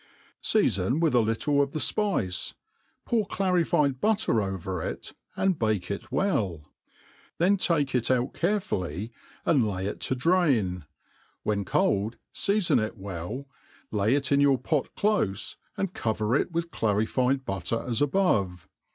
Seafon with a little of the fpice, pour clarified butter over it, and bake it well* Then take it out carefully, and lay it to drain ; ^i^hen cold^ feafoh it well, lay it in your pot dofe, and cover it with clarified butter, as above.